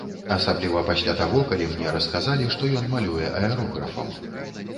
Асабліва пасля таго, калі мне расказалі, што ён малюе аэрографам.